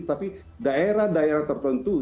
tapi daerah daerah tertentu